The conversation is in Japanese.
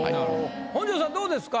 本上さんどうですか？